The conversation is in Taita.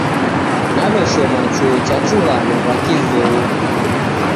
Naw'eshoma chuo cha chughano ra Kizungu.